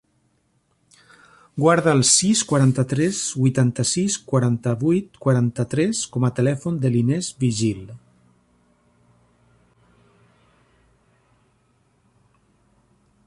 Guarda el sis, quaranta-tres, vuitanta-sis, quaranta-vuit, quaranta-tres com a telèfon de l'Inés Vigil.